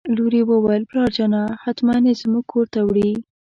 لور یې وویل: پلارجانه حتماً یې زموږ کور ته وړي.